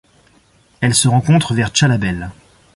Elle se rencontre vers Tchalabel.